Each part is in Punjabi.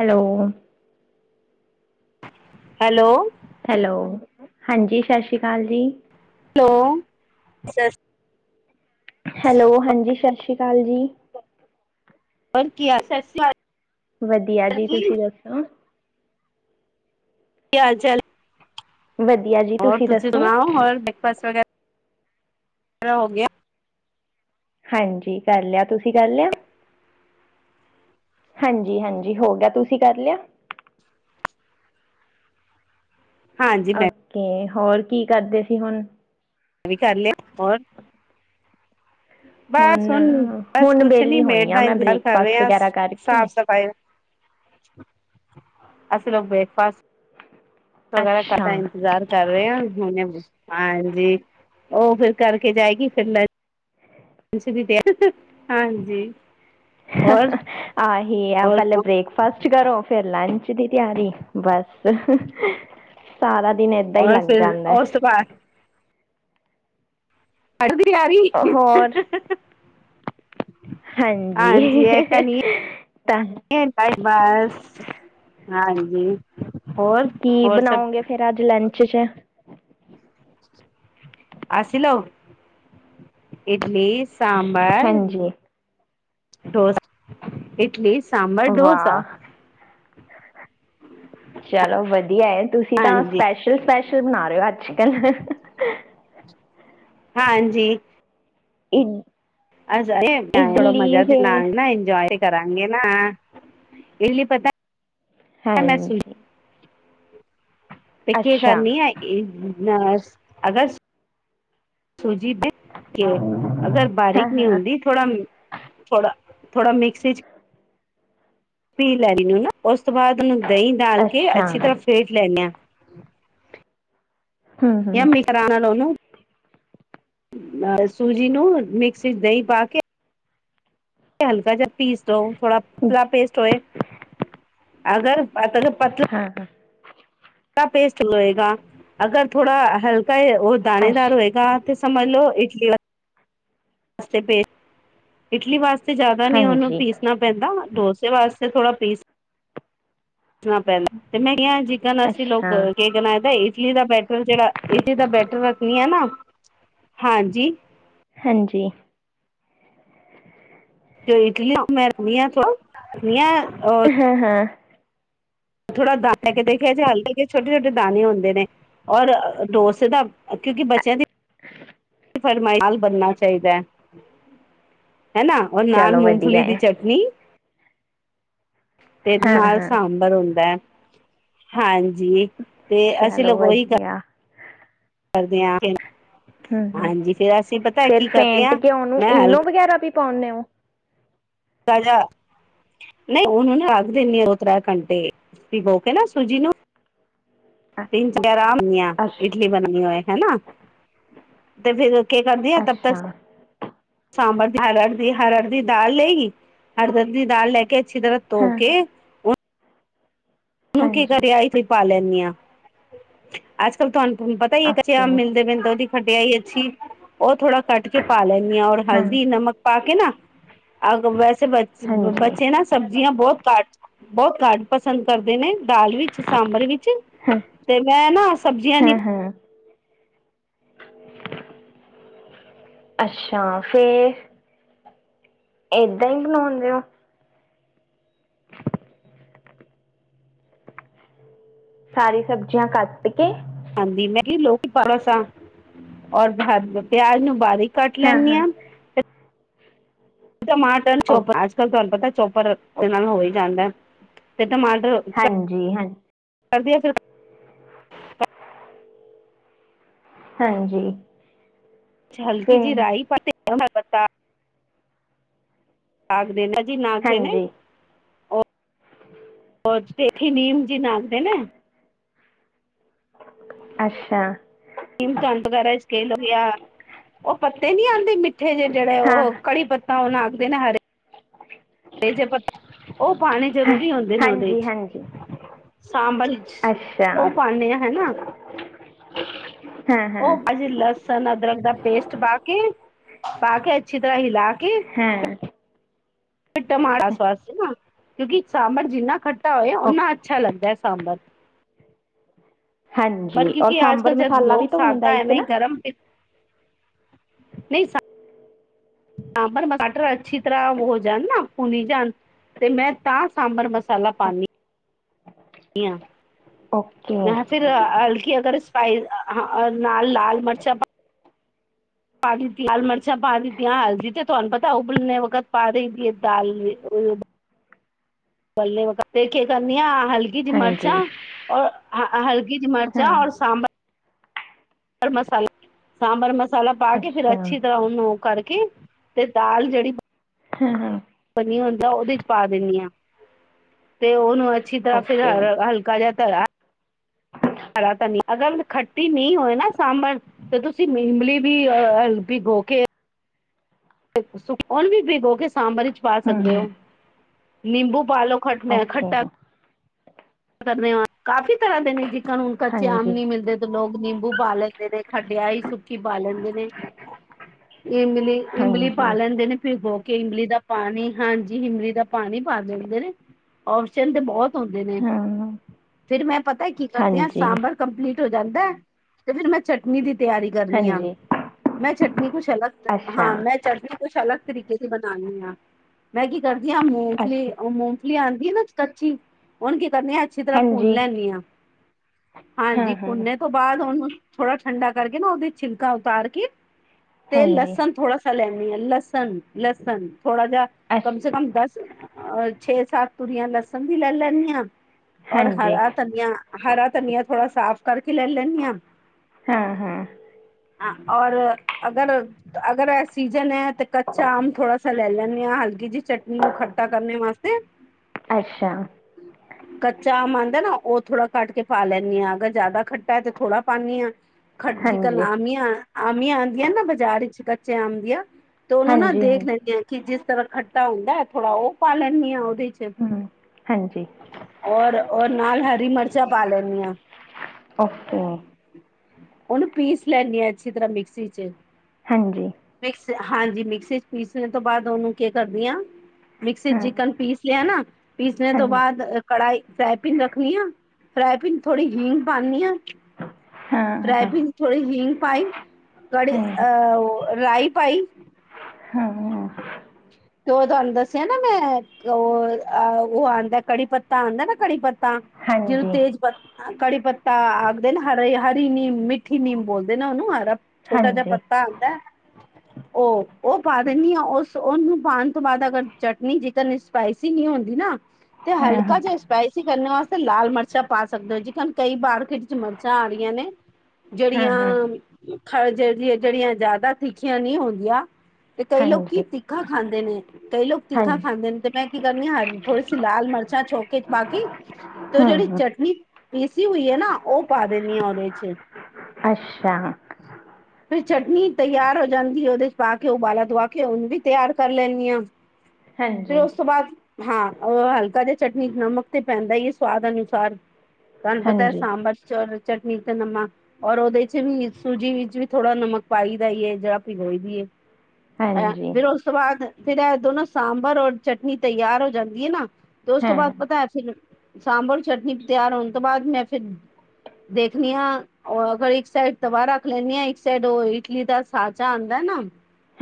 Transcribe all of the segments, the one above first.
ਹੈਲੋ। ਹੈਲੋ। ਹੈਲੋ, ਹਾਂਜੀ ਸਤਿ ਸ਼੍ਰੀ ਅਕਾਲ ਜੀ। ਹੈਲੋ, ਸ ਹੈਲੋ, ਹਾਂਜੀ ਸਤਿ ਸ਼੍ਰੀ ਅਕਾਲ ਜੀ। ਹੋਰ ਕੀ ਹਾਲ ਚਾਲ? ਸਤਿ ਸ਼੍ਰੀ [inaudible] ਵਧੀਆ ਜੀ, ਤੁਸੀਂ ਦੱਸੋ? ਕੀ ਹਾਲ ਚਾਲ? ਵਧੀਆ ਜੀ। ਹੋਰ ਤੁਸੀਂ ਸੁਣਾਓ, ਹੋਰ ਬ੍ਰੇਕਫਾਸਟ ਵਗੈਰਾ ਵੈਰਾ ਹੋ ਗਿਆ? ਹਾਂਜੀ ਕਰ ਲਿਆ, ਤੁਸੀਂ ਕਰ ਲਿਆ? ਹਾਂਜੀ ਹਾਂਜੀ ਹੋ ਗਿਆ, ਤੁਸੀਂ ਕਰ ਲਿਆ? ਹਾਂਜੀ ਮੈਂ ਓਕੇ, ਹੋਰ ਕੀ ਕਰਦੇ ਸੀ ਹੁਣ? ਮੈਂ ਵੀ ਕਰ ਲਿਆ, ਹੋਰ? ਹ [inaudible] ਬਸ ਹੁਣ, ਬਸ ਕੁਛ ਨੀ ਹੋਈ ਮੇਡ ਆ ਦਾ ਮੈਂ ਇੰਤਾਰ ਕਰ ਰਹੇ ਬ੍ਰੇਕਫਾਸਟ ਹਾਂ, ਵਗੈਰਾ ਕਰਕੇ। ਸਾਫ਼ ਸਫ਼ਾਈ ਅਸੀਂ ਲੋਕ ਬ੍ਰੇਕਫਾਸਟ ਵਗੈਰਾ ਅੱਛਾ। ਖਾਦਾ, ਇੰਤਜ਼ਾਰ ਕਰ ਰਹੇ ਹਾਂ ਹੁਣੇ, ਹਾਂਜੀ। ਉਹ ਫਿਰ ਕਰਕੇ ਜਾਏਗੀ, ਫਿਰ ਲ ਲੰਚ ਦੀ ਤਿਆ, ਹਾਂਜੀ। [inaudible] ਹਾ- ਹੋਰ ਹਾ, ਆਹੀ ਆ, ਹੋਰ ਪਹਿਲਾਂ ਬ੍ਰੇਕਫਾਸਟ ਕਰੋ ਫੇਰ ਲੰਚ ਦੀ ਤਿਆਰੀ, ਬਸ ਸਾਰਾ ਦਿਨ, ਏਦਾਂ ਹੀ ਹੋਰ ਲੱਗ ਫਿਰ ਜਾਂਦਾ ਐ। ਉਸ ਤੋਂ ਬਾਅਦ [unintelligible] ਤਿਆਰੀ ਹੋਰ ਹਾਂਜੀ, ਇਹ ਕਨੀ ਤਾਂ [unintelligible] ਬਸ, ਹਾਂਜੀ। ਹੋਰ ਕੀ ਹੋਰ ਸਭ ਬਣਾਉਗੇ ਫੇਰ ਅੱਜ ਲੰਚ 'ਚ? ਅਸੀ ਲੋਕ, ਇਡਲੀ-ਸਾਂਬਰ ਹਾਂਜੀ ਸ ਇਡਲੀ, ਸਾਂਬਰ, ਡੋਸਾ ਵਾਹ ਚਲੋ ਵਧੀਆ, ਤੁਸੀਂ ਤਾਂ ਹਾਂਜੀ ਸਪੈਸ਼ਲ-ਸਪੈਸ਼ਲ ਬਣਾ ਰਹੇ ਹੋ ਅੱਜ ਕਲ ਹਾਂਜੀ। ਇਹ ਆ ਜਾਈ, ਥੋੜਾ ਮਜ਼ਾ ਤੇ ਲ ਫੇਰ ਨਾ, ਇੰਜੋਏ [inaudible] ਕਰਾਂਗੇ ਨਾ, ਹਾਂ, ਪਤਾ ਮੈਂ ਹਾਂਜੀ। ਤੇ ਕੀ ਅੱਛਾ ਕਰਨੀ ਆ, ਅਗਰ ਸੂਜੀ ਕੇ ਅਗਰ ਹਾਂ ਬਾਰੀਕ ਨਹੀਂ ਹਾਂ ਹੁੰਦੀ ਥੋੜਾ, ਥੋੜਾ ਥੋੜਾ, ਮਿਕਸੀ 'ਚ [unintelligible] ਪੀਹ ਲਓ, ਉਸ ਤੋਂ ਬਾਅਦ ਉਹਨੂੰ ਦਹੀਂ ਡਾਲ ਕੇ, ਅੱਛਾ ਅੱਛੀ ਤਰ੍ਹਾਂ ਫੇਟ ਲੈਦੇ ਹਾਂ ਹਮ ਹਮ [unintelligible] ਨਾਲੇ ਸੂਜੀ ਨੂੰ, ਮਿਕਸੀ 'ਚ ਦਹੀਂ ਪਾ ਕੇ ਹਲਕਾ ਜਿਹਾ ਪੀਸ ਦੋ, ਥੋੜਾ ਪਤਲਾ ਪੇਸਟ ਹੋਏ, ਅਗਰ ਪਤਲ-ਪਤਲਾ ਹੈਲੋ, ਦਾ ਪੇਸਟ ਹੋਏਗਾ, ਅਗਰ ਥੋੜਾ ਹਲਕਾ ਉਹ ਅੱਛ ਦਾਣੇਦਾਰ ਹੋਏਗਾ। ਤੇ ਸਮਝ ਲਓ ਇਡਲੀ ਬ ਇਟਲੀ ਵਾਸਤੇ ਜ਼ਿਆਦਾ ਨੀ ਉਹਨੂੰ ਹਾਂਜੀ ਪੀਸਣਾ ਪੈਂਦਾ ਡੋਸੇ ਵਾਸਤੇ ਥੋੜਾ ਪੀਸ, ਪੈਂਦਾ ਤੇ ਮੈਂ ਕਿਹਾ ਜੀਕਨ ਅਸੀਂ ਲੋਕ ਅੱਛਾ ਘੋਲ ਕੇ ਬਣਾਂਦੇ ਦਾ ਇਟਲੀ ਦਾ ਬੈ ਫ ਜਿਹੜਾ ਇਹੇ ਤਾਂ ਬੈਟਰ ਰੱਖਣੀ ਹੈ ਨਾ, ਹਾਂਜੀ। ਹਾਂਜੀ। ਜੋ ਇਟਲੀ [unintelligible] ਹਾਂ-ਹਾਂ। ਥੋੜਾ ਦਾ ਲੈ ਕੇ ਦੇਖਿਆ ਜੇ ਹਲਕੇ ਛੋਟੇ-ਛੋਟੇ ਦਾਣੇ ਹੁੰਦੇ ਨੇ। ਔਰ ਡੋਸੇ ਦਾ ਕਿਉਂਕਿ ਬੱਚਿਆਂ ਦੀ ਫਰਮਾਈ ਨਾਲ ਬਣਨਾ ਚਾਹੀਦਾ ਹੈ ਹੈਨਾ। ਔਰ ਨਾਲ ਚਲੋ ਮੂੰਗਫਲੀ ਵਧੀਆ ਦੀ ਹੈ ਚਟਨੀ। ਤੇ ਹਾਂ ਨਾਲ ਹਾਂ ਸਾਂਬਰ ਹੁੰਦਾ ਹੈ, ਹਾਂਜੀ। ਤੇ ਅਸੀਂ ਚਲੋ ਲੋਗ ਓਹੀ ਕਰ ਵਧੀਆ ਕਰਦੇ ਆ ਗੇ। ਹੂੰ-ਹੂੰ, ਫੇਰ ਕੀ ਕਰਦੇ ਫੇਟ ਹਾਂ ਕੇ ਉਹਨੂੰ ਮੈਂ ਈਨੋ ਹਲਕਾ ਵਗੈਰਾ ਵੀ ਪਾਉਂਣੇ ਓ? ਦਾ ਜਾ, ਨਹੀਂ ਉਹਨੂੰ ਨਾ ਰੱਖ ਦਿੰਦੇ ਉਹ ਦੋ ਤਿੰਨ ਘੰਟੇ ਭੀਗੋ ਕੇ ਨਾ ਸੂਜੀ ਨੂੰ [unintelligible] ਆ ਅੱਛ ਇਡਲੀ ਬਣਨੀ ਹੋਏ ਹੈਨਾ, ਤੇ ਫਿਰ। ਕੇ ਖਾਦੇ ਆ ਅੱਛਾ ਦੱਸ-ਦੱਸ, ਸਾਂਬਰ ਦੀ ਅਰਹਰ ਦੀ ਅਰਹਰ ਦੀ ਦਾਲ ਲਏਗੀ ਅਰਹਰ ਦੀ ਦਾਲ ਲੈ ਕੇ ਅੱਛੀ ਤਰ੍ਹਾਂ ਧੋ ਹਾਂ ਕੇ, ਉਹਨੂੰ ਕੀ ਹਾਂਜੀ ਕਰਿਆ ਪਾ ਲੈਂਦੀ ਹਾਂ, ਅੱਜ-ਕੱਲ ਤੁਹਾਨੂੰ ਹ ਪਤਾ ਹੀ ਏ ਕੱਚੇ ਓਕੇ ਆਮ ਮਿਲਦੇ ਪਿਲਦਾ ਉਹਦੀ ਖਟਿਆਈ ਅੱਛੀ ਉਹ ਥੋੜਾ ਕੱਟ ਕੇ ਪਾ ਲੈਂਦੀ ਐ ਔਰ ਹਾਂ ਹਲਦੀ ਨਮਕ ਪਾ ਕੇ ਨਾ ਹਾਂਜੀ [unintelligible] ਸਬਜ਼ੀਆਂ ਬਹੁਤ ਘੱਟ ਬਹੁਤ ਘੱਟ ਪਸੰਦ ਕਰਦੇ ਨੇ ਦਾਲ ਵਿੱਚ ਸਾਂਬਰ ਵਿੱਚ, ਹਾਂ ਤੇ ਮੈਂ ਨਾ ਸਬਜ਼ੀਆਂ ਦੀ ਹਾਂ ਹਾਂ। ਅੱਛਾ, ਫੇਰ ਏਦਾਂ ਈ ਬਣਾਉਂਨੇ ਹੋ? ਸਾਰੀ ਸਬਜ਼ੀਆਂ ਕੱਟ ਕੇ। ਹਾਂਜੀ, ਮੈਂਵੀ ਪਾ ਲੈਸਾ [unintelligible] ਹੋਰ ਪਿਆਜ ਨੂੰ ਬਾਰੀਕ ਕੱਟ ਹਾਂ ਹਾਂ ਲੈਣੀਆਂ। ਟਮਾਟਰ ਨੂ ਓ ਚੋਪਰਾ ਅੱਜ-ਕੱਲ ਤੁਹਾਨੂੰ ਪਤਾ ਚੋਪਰ ਦੇ ਨਾਲ ਹੋ ਹੀ ਜਾਂਦਾ, ਤੇ ਟਮਾਟਰ, ਹਾਂਜੀ, ਹਾਂ ਕਹਿੰਦੀ ਐ ਫੇਰ, ਹਾਂਜੀ। ਹਲਕੀ ਫਿਰ ਜਿਹੀ ਰਾਈ ਪਾਈ ਤੇ [unintelligible] ਨਾਗ ਦੇਨਾ ਜੀ, ਨਾਗ ਦੇਨੇ, ਹਾਂਜੀ ਓ ਪੇਥੀ ਨੀਮ ਜਿਹਨ ਆਖਦੇ ਨੇ। ਅੱਛਾ। ਧਨ ਵਗੈਰਾ ਚ ਕੇਲ ਹੋਆ, ਉਹ ਪੱਤੇ ਨੀ ਆਉਂਦੇ ਮਿੱਠੇ ਜਿਹੇ, ਜਿਹੜੇ ਹਾਂ ਉਹ ਕੜੀ ਪੱ ਤਾਂ, ਉਹਨੂੰ ਆਖਦੇ ਨਾ ਹਰੇ ਜੇ ਪੱਤੇ ਉਹ ਪਾਨੇ ਹਾਂ, ਜ਼ਰੂਰੀ ਹੁੰਦੇ ਨੇ ਉਹਦੇ ਹਾਂਜੀ ਚ। ਹਾਂਜੀ ਸਾਂਬਲ ਚ ਅੱਛਾ ਉਹ ਪਾਣੇ ਆ ਹਨਾ। ਹਾਂ ਉਹ ਹਾਂ ਬਸ ਲਸਣ-ਅਦਰਕ ਦਾ ਪੇਸਟ ਪਾਕੇ, ਪਾਕੇ ਅੱਛੀ ਤਰ੍ਹਾਂ ਹਿਲਾ ਕੇ, ਹਾਂ ਟਮਾਟਰ ਨਾ, ਕਿਉਂਕਿ ਸਾਂਬਰ ਜਿੰਨਾ ਖੱ- ਟਾ ਹੋਵੇ, ਓ- ਓਨਾ ਅੱਛਾ ਲੱਗਦਾ ਹੈ ਸਾਂਬਰ। ਹਾਂਜੀ ਬਸ ਔਰ ਕਿਉਂਕਿ ਅੱਜ -ਕੱਲ ਸਾਂਬਰ ਜਦ ਮਸਾਲਾ ਵੀ ਲੋਕ ਤਾਂ ਹੁੰਦਾ ਸਾਦਾ ਹੈ, ਇੱਕ ਨਾ ਐਵੇਂਈ ਗਰਮ ਪੀ ਪਰ ਟਮਾਟਰ ਅੱਛੀ ਤਰ੍ਹਾਂ ਹੋ ਜਾਣ ਨਾ ਭੁੰਨੀ ਜਾਣ, ਤੇ ਮੈਂ ਤਾਂ ਸਾਂਬਰ ਮਸਾਲਾ ਪਾਣੀ, ਓਕੇ ਜਾਂ ਫਿਰ ਹਲਕੀ ਅਗਰ ਸਪਾਈ, ਨਾਲ ਲਾਲ ਮਿਰਚਾਂ ਪਾ ਦਿੱਤੀ ਲਾਲ ਮਿਰਚਾਂ ਪਾ ਦਿੱਤੀਆਂ, ਹਲਦੀ ਤੇ ਤੁਹਾਨੂੰ ਪਤਾ ਉਬਲਣੇ ਵਕਤ ਪਾ ਦਹੀਦੀ ਦਾਲ ਵਿੱਚ ਤਲਨੇ ਵਖਤ ਤੇ ਕੀ ਕਰਨੀ ਆ, ਹਲਕੀ ਜੀ ਹਾਂਜੀ ਮਿਰਚਾਂ, ਰ ਹਲਕੀ ਜੀ ਮਿਰਚਾਂ, ਹਾਂ ਹੋਰ ਸਾਂਬਰ- ਸਾਂਬਰ ਮਸਾਲਾ, ਸਾਂਬਰ ਮਸਾਲਾ ਪਾ ਕੇ ਫਿਰ ਅੱਛਾ ਅੱਛੀ ਤਰ੍ਹਾਂ ਨੂੰ ਕਰਕੇ, ਤੇ ਦਾਲ ਜਿਹੜੀ ਹੰ -ਹੰ। ਪਨੀ ਹੁੰਦਾ, ਉਹਦੇ'ਚ ਪਾ ਦਿੰਦੀ ਹਾਂ ਤੇ ਉਹ - ਨੂੰ ਅੱਛੀ ਤਰ੍ਹਾਂ ਫੇਰ, ਓਕੇ ਹੂੰ ਹਲਕਾ ਜਿਹਾ ਹਰਾ ਹਰਾ ਧਨੀਆਂ, ਅਗਰ ਖੱਟੀ ਨਹੀਂ ਹੋਏ ਨਾ ਸਾਂਬਰ ਤੇ ਤੁਸੀਂ ਇਮਲੀ ਵੀ ਅਹ ਭੀਗੋ ਕੇ ਵੀ ਭਿਗੋ ਕੇ ਸਾਂਬਰ ਵਿੱਚ ਪਾ ਸਕਦੇ ਹੂੰ ਹੋ, ਨਿੰਬੂ ਪਾ ਲੋ। ਖੱਟਨਾ ਓਕੇ ਖੱਟਾ ਕਰਨੇ ਆਂ। ਕਾਫੀ ਤਰ੍ਹਾਂ ਦੇ ਨੇ, ਜਿਕਨ ਹੁਨ ਕੱਚੇ ਆਮ ਹਾਂਜੀ ਨੀ ਮਿਲਦੇ ਤੇ ਲੋਕ ਨਿੰਬੂ ਪਾਾਲੇ ਲੈਂਦੇ ਨੇ, ਖੱਟਿਆਯੀ ਸੁੱਕੀ ਪਾ ਲੈਂਦੇ ਨੇ। ਇਮਲੀ - ਇਮਲੀ ਪਾ ਹਾਂਜੀ ਲੈਂਦੇ ਨੇ, ਭਿੱਗੋ ਹ ਕੇ ਇਮਲੀ ਦਾ ਪਾਣੀ ਹਾਂਜੀ, ਹਿਮਲੀ ਦਾ ਪਾਣੀ ਪਾ ਦਿੰਦੇ ਨੇ। ਔਪਸ਼ਨ ਤੇ ਬਹੁਤ ਹੁੰਦੇ ਨੇ ਹੰ। ਫਿਰ ਮੈਂ ਪਤਾ ਕੀ ਕਰਦੀ ਆਂ, ਸਾਂਬਰ ਕੰਪਲੀਟ ਹੋ ਜਾਂਦਾ ਤੇ ਫਿਰ, ਮੈਂ ਚਟਨੀ ਦੀ ਤਿਆਰੀ ਕਰਨੀ ਆ। ਹਾਂਜੀ ਮੈਂ ਚਟਨੀ ਕੁਛ ਅਲੱਗ, ਅੱਛਾ ਹਾਂ ਮੈਂ ਚਟਨੀ, ਕੁਛ ਅਲੱਗ ਤਰੀਕੇ ਤੇ ਬਣਾਉਣੀ ਹਾਂ। ਮੈਂ ਕੀ ਕਰਦੀ ਹਾਂ, ਮੂੰਗਫਲੀ ਅੱਛਾ ਉਹ ਮੂੰਗਫਲੀ ਆਉਂਦੀ ਨਾ ਕੱਚੀ, ਉਹਨੂੰ ਕੀ ਕਰਨੀ ਆ- ਅੱਛੀ ਤਰ੍ਹਾਂ ਪੁੁੰਨ ਹਾਂਜੀ ਲੈਂਦੀ ਹਾਂ। ਹਾਂ ਹਾਂਜੀ, ਹਾਂ ਪੂੰਨਣ - ਤੋਂ ਬਾਅਦ ਉਹਨੂੰ ਥੋੜਾ ਠੰਡਾ ਕਰਕੇ ਨਾ, ਉਹਦੀ ਛਿਲਕਾ ਉਤਾਰ ਕੇ ਤੇ ਹਾਂਜੀ ਲਸਣ ਥੋੜਾ ਲੈਣੀ ਆ, ਲਸਨ-ਲਸਨ ਥੋੜਾ ਜਿਹਾ, ਅੱਛ ਕਮ ਸੇ ਕਮ ਦਸ ਅ ਛੇ-ਸੱਤ, ਤੂਰੀਆਂ ਲਸਣ ਵੀ ਲੈ ਲੈਣੀਆ ਔਰ ਹਾਂਜੀ ਹਰਾ ਧਨੀਆ, ਹਰਾ ਧਨੀਆ ਥੋੜਾ ਸਾਫ ਕਰਕੇ ਲੈ ਲੈਣੀਆਂ। ਹਾਂ ਹਾਂ ਹਾਂ, ਔਰ ਅਗਰ-ਅਗਰ ਸੀਜਨ ਹੈ। ਤੇ ਕੱਚਾ ਆਮ ਥੋੜਾ ਸਾ ਲੈ ਲੈਂਦੇ ਹਾਂ, ਹਲਕੀ ਜਿਹੀ ਚਟਨੀ ਨੂੰ ਖਰਾ ਕਰਨੇ ਵਾਸਤੇ। ਅੱਛਾ। ਕੱਚਾ ਆਮ ਆਉਦਾ ਨਾ, ਉਹ ਥੋੜਾ ਕੱਟ ਕੇ ਪਾ ਲੈਂਦੀ ਹਾਂ। ਅਗਰ ਜ਼ਿਆਦਾ ਖੱਟਾ ਹੈ, ਤੇ ਥੋੜਾ ਪਾਉਂਦੀ ਹਾਂ। ਖ ਜਕਨ ਆਮ ਹਾਂਜੀ ਆਮੀਆਂ ਆਉਂਦੀਆਂ ਨਾ ਬਾਜ਼ਾਰ ਵਿੱਚ, ਕੱਚੇ ਆਮ ਆਉਦੀਆਂ ਤੇ ਉਹਨੂੰ ਨਾ ਹਾਂਜੀ ਹਾਂਜੀ ਦੇਖ ਲੈਂਦੇ ਆਾਂ, ਕਿ ਜਿਸ ਤਰ੍ਹਾਂ ਖੱਟਾ ਹੁੰਦਾ, ਥੋੜਾ ਉਹ ਪਾ ਲੈਂਦੇ ਹਾਂ ਉਹਦੇ 'ਚ। ਹਮ, ਹਾਂਜੀ। ਔਰ, ਔਰ ਨਾਲ ਹਰੀ ਮਿਰਚਾਂ ਪਾ ਲੈਦੀ ਹੈ। ਓਕੇ। ਉਹਨੂੰ ਪੀਸ ਲੈਣੀ ਹੈ, ਅੱਛੀ ਤਰ੍ਹਾਂ ਮਿਕਸੀ 'ਚ ਹਾਂਜੀ। ਮਿਕਸ ਹਾਂਜੀ ਮਿਕਸੀ ਚ ਪੀਸ ਤੋਂ ਬਾਦ ਉਹਨੂੰ ਕਰਦੀ ਆ ਮਿਕਸੀ ਹਾਂ ਚਿਕਨ ਪੀਸ ਲਿਆ ਨਾ ਪੀਸਨੇ ਤੋਂ ਹਾਂਜੀ ਬਾਦ ਕੜਾਈ ਫਰਾਈਪੀਨ ਰੱਖਨੀ ਆ ਫਰਾਈਪੀਨ ਥੋੜੀ ਹਿੰਗ ਪਾਨੀ ਆ ਹਾਂ ਫਰਾਈ ਹਾਂ ਪੀਨ ਥੋੜੀ ਹੀਗ ਪਾਈ ਕੜੀ ਹਾਂਜੀ ਅਹ ਰਾਈ ਪਾਈ। ਹਾਂ। ਤੇ ਉਹ ਤੁਹਾਨੂੰ ਦੱਸਿਆ ਨਾ ਮੈਂ ਓ ਅ ਓ ਆਂਦਾ ਕੜੀ ਪੱਤਾ ਆਂਦਾ ਨਾ ਕੜੀ ਪੱਤਾ। ਜਿਹਨੂੰ ਹਾਂਜੀ ਤੇਜ਼ ਪੱਤ ਕੜੀ ਪੱਤਾ ਆਖਦੇ ਨਾ ਹਰੇ ਹਰੀ ਨੀਮ ਮਿੱ ਠੀ ਨੀਮ ਬੋਲਦੇ ਨਾ ਓਨੂੰ ਹਰਾ ਛੋਟਾ ਜਾ ਹਾਂਜੀ ਪੱਤਾ ਆਂਦਾ। ਓ-ਓ ਪਾ ਦਿੰਨੀ ਆ ਓਸ ਉਹਨੂੰ ਪਾਨ ਤੋਂ ਬਾਦ ਅਗਰ ਚਟਨੀ ਜ਼ਿਕਨ ਸਪਾਈਸੀ ਨੀ ਹੁੰਦੀ ਨਾ ਤੇ ਹਾਂ ਹਲਕਾ ਹਾਂ ਜਿ ਸਪੈਸੀ ਕਰਨ ਵਾਸਤੇ ਲਾਲ ਮਿਰਚਾਂ ਪਾ ਸਕਦੇ ਹੋ ਜੀਕਨ ਕਈ ਮਾਰਕੀਟ ਚ ਮਿਰਚਾਂ ਆ ਰਈਆਂ ਨੇ। ਹਾਂ ਹਾਂ ਜੇੜੀਆਂ ਖ ਜ ਜੇੜੀਆਂ ਜਾਦਾ ਤਿੱਖੀਆਂ ਨੀ ਹੁੰਦੀਆ। ਤੇ ਕਈ ਲੋਕੀ ਹਾਂਜੀ ਤਿੱਖਾ ਖਾਂਦੇ ਨੇ। ਕਈ ਲੋਕ ਤਿੱਖਾ ਹਾਂਜੀ ਖਾਂਦੇ ਨੇ ਤੇ ਮੈਂ ਕੀ ਕਰਨੀ ਆ ਥੋੜੀ ਸੀ ਲਾਲ ਮਿਰਚਾਂ ਛੋੋਕੇ ਚੋ ਪਾਕੇ ਕੇ ਤੇ ਓ ਹਾਂ ਜੇੜੀ ਹਾਂ ਚਟਨੀ ਪੀਸੀ ਹੋਈ ਹੈ ਨਾਲ ਉਹ ਪਾ ਦੇਣੀ ਆ ਓਦੇ ਚ। ਅੱਛਾ। ਫਿਰ ਚਟਨੀ ਤਿਆਰ ਹੋ ਜਾਂਦੀ ਉਹਦੇ ਚ ਪਾ ਕੇ ਉਬਾਲਾ ਦਵਾ ਕੇ ਉਨ ਵੀ ਤਿਆਰ ਕਰ ਲੈਨੀ ਆ ਫੇਰ ਹਾਂਜੀ ਉਸ ਤੋਂ ਬਾਦ ਹਾਂ ਉਹ ਹਲਕਾ ਜਾ ਚਟਨੀ ਨਮਕ ਤੇ ਪੈਂਦਾ ਹੀ ਏ ਸਵਾਦ ਅਨੁਸਾਰ। ਤੁਹਾਨੂੰ ਪਤਾ ਹਾਂਜੀ ਸਾਂਬਰ ਚ ਚਟਨੀ ਤੇ ਨਮਕ ਔਰ ਉਹਦੇ ਚ ਵੀ ਸੂਜੀ ਵਿੱਚ ਵੀ ਥੋੜਾ ਨਮਕ ਪਾਈ ਦਾ ਏ ਜਾਭਿਓ ਦੀ ਏ। ਹਾਂਜੀ। ਫਿਰ ਉਸ ਤੋਂ ਬਾਦ ਫਿਰ ਏ ਦੋਨੋ ਸਾਂਬਰ ਔਰ ਚਟਨੀ ਤਿਆਰ ਹੋ ਜਾਂਦੀ ਏ ਨਾ ਦ ਉਸ ਤੋਂ ਹਾਂ ਬਾਦ ਪਤਾ ਹੈ ਫਿਰ ਸਾਂਬਰ ਚਟਨੀ ਤਿਆਰ ਹੋਨ ਤੋਂ ਬਾਦ ਮੈਂ ਫਿਰ ਦੇਖਨੀ ਆ ਓ ਅਗਰ ਇੱਕ ਸਾਈਡ ਤਵਾ ਰੱਖ ਲੈਨੀ ਆ ਇੱਕ ਸਾਈਡ ਉਹ ਇਟਲੀ ਦਾ ਸਾਚਾ ਆਂਦਾ ਨਾ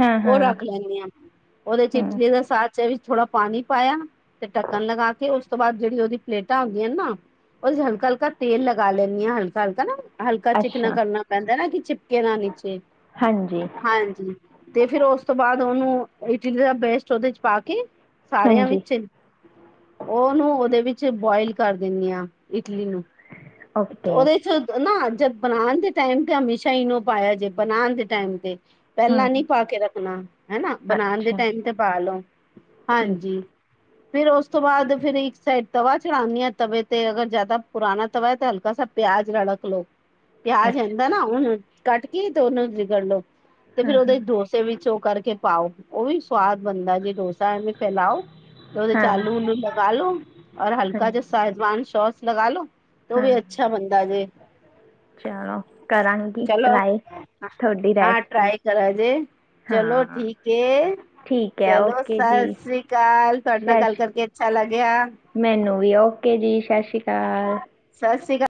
ਹਾਂ-ਹਾਂ। ਉਦੇ ਚ ਇਜਲੀ ਚ ਵਿੱਚ ਥੋੜਾ ਪਾਨੀ ਪਾਇਆ ਤੇ ਢੱਕਣ ਲਗਾ ਕੇ ਉਸ ਉਸ ਤੋਂ ਬਾਦ ਜਿਹੜੀ ਉਹਦੀ ਪਲੇਟਾਂ ਹੁੰਦੀਆਂ ਨੇ ਨਾ ਉਹਦੇ ਚ ਹਲਕਾ-ਹਲਕਾ ਤੇਲ ਲਗਾ ਲੈਨੀ ਆ ਹਲਕਾ-ਹਲਕਾ ਨਾ। ਹਲਕਾ ਚਿਕਣਾ ਅੱਛਾ ਕਰਨਾ ਪੈਂਦਾ ਨਾ ਕਿ ਚਿਪਕੇ ਨਾ ਨੀਚੇ ਹਾਂਜੀ ਹਾਂਜੀ। ਤੇ ਫੇਰ ਉਸ ਤੋਂ ਬਾਦ ਉਹਨੂੰ ਇਟਲੀ ਦਾ ਪੇਸਟ ਓਦੇ ਚ ਪਾ ਕੇ ਸਾਰਿਆਂ ਹਾਂਜੀ ਵਿੱਚ ਔਨੂੰ ਓਦੇ ਵਿੱਚ ਬੋਇਲ ਕਰ ਦਿਨੀ ਆ ਇਟਲੀ ਨੂੰ, ਓਕੇ ਉਹਦੇ ਚ ਨਾ ਜਦ ਬਨਾਨ ਦੇ ਟਾਈਮ ਤੇ ਹਮੇਸ਼ਾ ਇਨੋ ਪਾਆ ਜੇ ਬਨਾਨ ਦੇ ਟਾਈਮ ਤੇ। ਹਾਂ ਪਹਿਲਾਂ ਨੀ ਪਾ ਕੇ ਰੱਖਨਾ ਹਨਾ ਬਨਾਨ ਦੇ ਅੱਛਾ ਟਾਈਮ ਤੇ ਪਾ ਲੋ ਠੀਕ ਹਾਂਜੀ। ਫਿਰ ਉਸ ਤੋਂ ਬਾਦ ਫਿਰ ਇੱਕ ਸਾਈਡ ਤਵਾ ਚੜਾਨੀ ਆ ਤਵੇ ਤੇ ਅਗਰ ਜਾਦਾ ਪੁਰਾਨਾ ਤਵਾ ਹੈ ਤੇ ਹਲਕਾ ਸਾ ਪਆਜ ਰੜਕ ਲੋ। ਹ ਪਿਆਜ ਹੁੰਦਾ ਨਾ ਉਹਨੂੰ ਕੱਟ ਕੇ ਤੇ ਉਹਨੂੰ ਰਗੜ ਲੋ ਤੇ ਫਿਰ ਹਾਂ ਉਹਦੇ ਹਾਂ ਦੋ ਤੇ ਵਿੱਚ ਓ ਕਰਕੇ ਪਾਓ ਉਹ ਵੀ ਸਵਾਦ ਬਣਦਾ ਜੇ ਡੋਸਾ ਐਵੇ ਫੈਲਾਓ ਤੇ ਔਦੇ ਚ ਹਾਂ ਆਲੂ-ਉਲੂ ਲਗਾ ਲੋ ਔਰ ਹਾਂ ਹਲਕਾ ਜਾ ਸਾਹਿਵਾਨ ਸ਼ੋਸ ਲਗਾ ਲੋ ਤੇ ਉ ਹਾਂ ਵੀ ਅੱਛਾ ਬੰਦਾ ਜੇ। ਚਲੋ ਕਰਾਂਗੀ ਚਲੋ ਟਰਾਈ ਤੁਹਾਡੀ ਹਾਂ ਰੈਸਪੀ ਟ੍ਰਾਈ ਕਰਾ ਜੇ। ਚਲੋ ਹਾਂ ਠੀਕ ਐ। ਠੀਕ ਹੈ ਚਲੋ ਓਕੇ ਜੀ ਸਸ ਸ੍ਰੀ ਕਾਲ, ਤੁਹਾਡੇ ਨਾਲ ਸਤਿ ਗੱਲ ਸ਼੍ਰੀ ਕਰਕੇ ਅੱਛਾ ਲੱਗਿਆ। ਮੈਨੂੰ ਵੀ ਓਕੇ ਜੀ ਸਾਸ਼ ਸ਼੍ਰੀ ਕਾਲ। ਸਾਸ ਸ਼੍ਰੀ ਕਾ